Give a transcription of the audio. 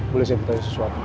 boleh saya bertanya sesuatu